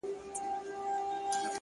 ماسومان زموږ وېريږي ورځ تېرېږي،